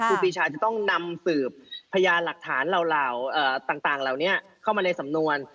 ครูปีชาจะต้องนำสืบพยานหลักฐานเหล่าต่างเหล่านี้เข้ามาในสำนวน